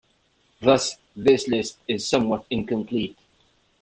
Thus this list is somewhat incomplete.